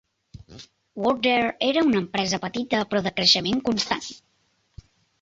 Wardair era una empresa petita però de creixement constant.